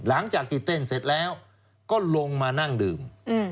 หลังจากที่เต้นเสร็จแล้วก็ลงมานั่งดื่ม